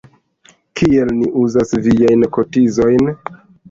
Kiel ni uzas viajn kotizojn?